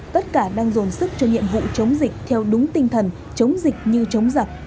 tất cả đang dồn sức cho nhiệm vụ chống dịch theo đúng tinh thần chống dịch như chống giặc